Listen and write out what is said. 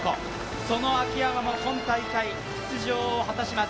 その秋山も今大会出場を果たします。